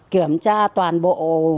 kiểm tra toàn bộ